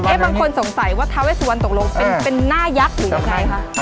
บางคนสงสัยว่าทาเวสวันตกลงเป็นหน้ายักษ์หรือยังไงคะ